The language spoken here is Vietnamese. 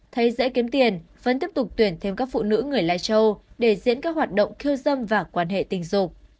thấy dễ kiếm tiền vẫn tiếp tục tuyển thêm các phụ nữ người lai châu để diễn các hoạt động khiêu dâm và quan hệ tình dục